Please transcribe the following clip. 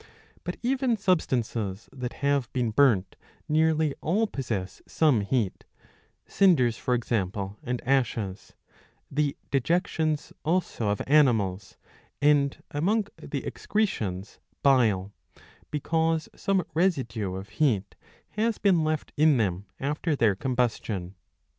But even substances that have been burnt nearly all possess some heat, cinders, for example, and ashes, the dejections also of animals, and, among the excretions, bile ; because some residue of heat has been left in them after their combustion.